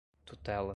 tutela